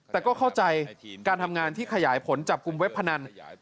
แต่ก็เข้าใจการทำงานที่ขยายผลจับกลุ่มเว็บพนัน